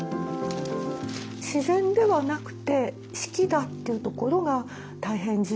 自然ではなくて四季だっていうところが大変重要です。